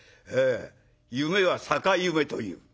夢は逆夢という。